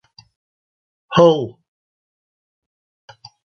Hull.